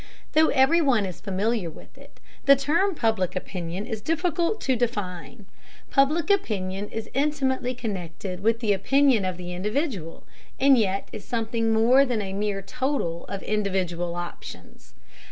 Though everyone is familiar with it, the term Public Opinion is difficult to define. Public Opinion is intimately connected with the opinion of the individual, and yet is something more than a mere total of individual opinions.